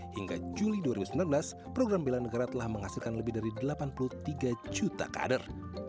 hingga juli dua ribu sembilan belas program bela negara telah menghasilkan lebih dari delapan puluh tiga juta kader